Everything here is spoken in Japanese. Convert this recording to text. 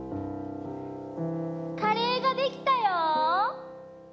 ・カレーができたよ！